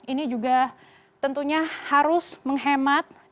ini juga tentunya harus menghemat biaya hidup